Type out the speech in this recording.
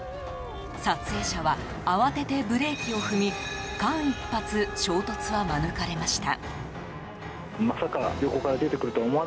撮影者は慌ててブレーキを踏み間一髪、衝突は免れました。